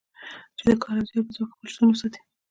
چې د کار او زیار په ځواک خپل شتون وساتي.